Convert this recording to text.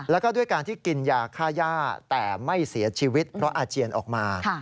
แล้วก็ด้วยการที่กินยาฆ่าย่าแต่ไม่เสียชีวิตเพราะอาเจียนออกมา